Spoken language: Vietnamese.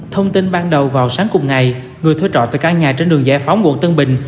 thông tin ban đầu vào sáng cùng ngày người thuê trọ từ căn nhà trên đường giải phóng quận tân bình